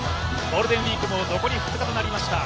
ゴールデンウイークも残り２日となりました。